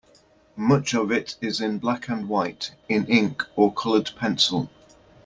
Much of it is in black-and-white, in ink or colored pencil.